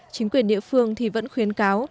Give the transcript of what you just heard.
chính quyền địa phương thì vẫn khuyến cáo